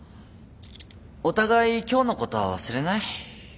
お互い今日のことは忘れない？